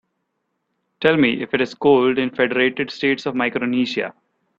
Tell me if it is cold in Federated States Of Micronesia